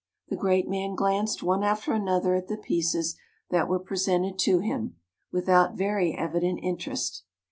The great man glanced one after another at the pieces that were presented to him, without very evident interest.